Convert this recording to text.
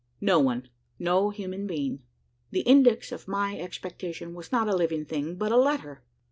No one no human being. The index of my expectation was not a living thing, but a letter!